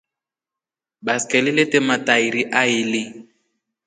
Baskeli lete matairi aili.